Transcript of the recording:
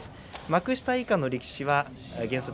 幕下以下の力士です。